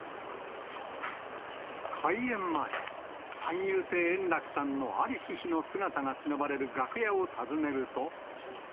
開演前、三遊亭円楽さんの在りし日の姿がしのばれる楽屋を訪ねると。